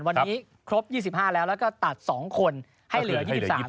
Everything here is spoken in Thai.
วันนี้ครบ๒๕แล้วแล้วก็ตัด๒คนให้เหลือ๒๓คน